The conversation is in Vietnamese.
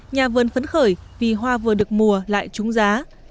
nhà vườn phấn khởi vì hoa vừa được mùa lại trúng giá